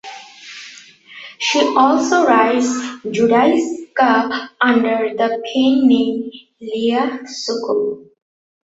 She also writes Judaica under the pen name Leah Sokol.